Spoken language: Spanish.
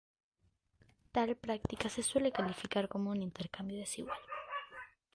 Tal práctica se suele calificar como un intercambio desigual.